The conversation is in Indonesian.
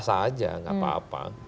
saja gak apa apa